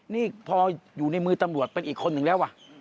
นี่พออยู่ในมือตำรวจเป็นอีกคนหนึ่งแล้วว่ะ